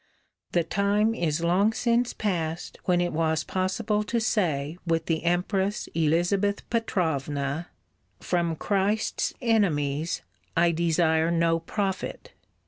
The time is long since past when it was possible to say with the Empress Elizabeth Petrovna: "From Christ's enemies I desire no profit."